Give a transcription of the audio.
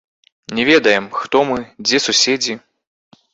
Не ведаем, хто мы, дзе суседзі.